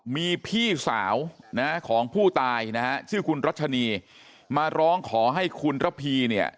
มีพี่สาวนะฮะของผู้ตายนะฮะชื่อคุณรัชนีมาร้องขอให้คุณระพีเนี่ย